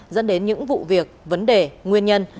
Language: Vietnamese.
dẫn đến những vụ việc vấn đề nguyên nhân